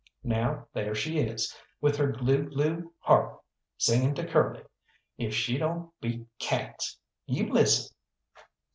Now there she is, with her glue glue harp singing to Curly. If she don't beat cats! You listen."